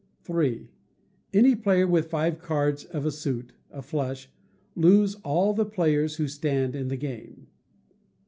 iii. Any player with five cards of a suit (a flush) looes all the players who stand in the game.